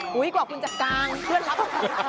กว่าคุณจะกางเพื่อนรับ